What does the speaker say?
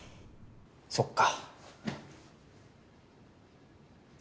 そっか。